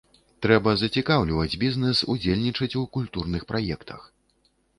Трэба зацікаўліваць бізнэс удзельнічаць у культурных праектах.